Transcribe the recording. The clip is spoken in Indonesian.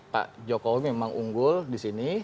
pak jokowi memang unggul di sini